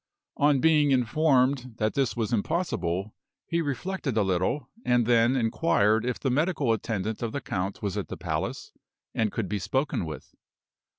On being informed that this was impossible, he reflected a little, and then inquired if the medical attendant of the count was at the palace, and could be spoken with.